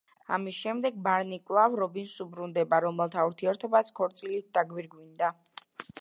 ამის შემდეგ ბარნი კვლავ რობინს უბრუნდება, რომელთა ურთიერთობაც ქორწილით დაგვირგვინდა.